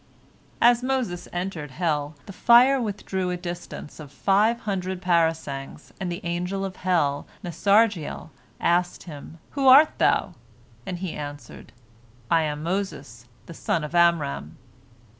As Moses entered hell, the fire withdrew a distance of five hundred parasangs, and the Angel of Hell, Nasargiel, asked him, "Who art thou?" and he answered, "I am Moses, the son of Amram."